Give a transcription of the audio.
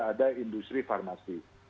ada industri farmasi